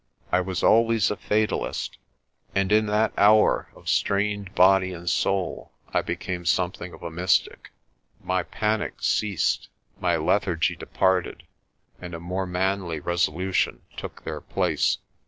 I was always a fatalist, and in that hour of strained body and soul I became something of a mystic. My panic ceased, my lethargy departed, and a more manly resolution took their place.